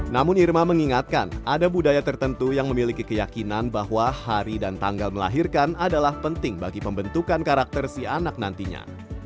namun irma mengingatkan ada budaya tertentu yang memiliki keyakinan bahwa hari dan tanggal melahirkan adalah penting bagi pembentukan karakter si anak nantinya